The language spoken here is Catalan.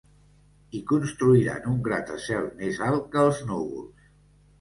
Hi construiran un gratacel més alt que els núvols.